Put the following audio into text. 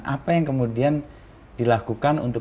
apa yang kemudian dilakukan untuk